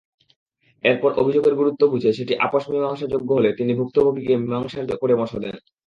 এরপর অভিযোগের গুরুত্ব বুঝে সেটি আপস-মীমাংসাযোগ্য হলে তিনি ভুক্তভোগীকে মীমাংসার পরামর্শ দেন।